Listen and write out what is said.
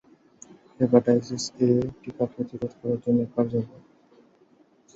Hepatitis A টিকা প্রতিরোধ করার জন্য কার্যকর।